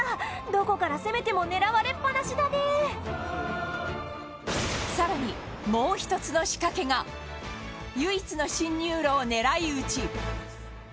どこから攻めても狙われっ放しだね更に、もう１つの仕掛けが唯一の進入路を狙い撃ち